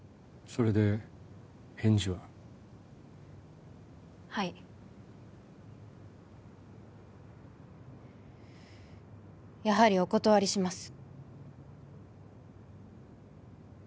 それで返事ははいやはりお断りします